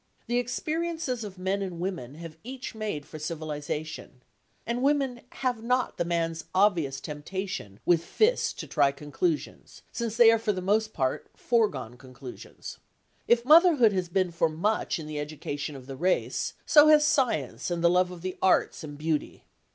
The experiences of men and women have each made for civilisation, and women have not the man's obvious temptation with fists to try conclusions, since they are for the most part foregone conclusions. If motherhood has been for much in the education of the race, so have science and the love of the arts and beauty.